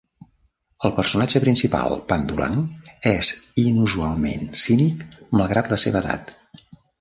El personatge principal, Pandurang és inusualment cínic malgrat la seva edat.